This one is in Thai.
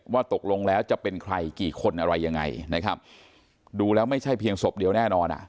ว่าตกลงแล้วจะเป็นใครกี่คนอะไรยังไงนะครับดูแล้วไม่ใช่เพียงศพเดียวแน่นอนอ่ะ